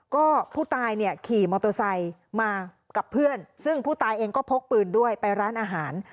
ก็ผู้ตายเนี่ยขี่มอเตอร์ไซค์มากับเพื่อนซึ่งผู้ตายเองก็พกปืนด้วยไปร้านอาหาร